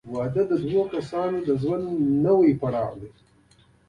• واده د دوه کسانو د ژوند نوی پړاو دی.